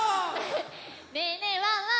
ねえねえワンワン。